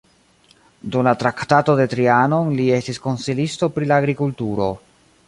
Dum la Traktato de Trianon li estis konsilisto pri la agrikulturo.